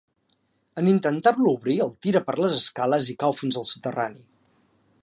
En intentar-lo obrir el tira per les escales i cau fins al soterrani.